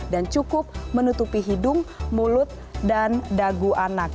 dan cukup menutupi hidung mulut dan dagu anak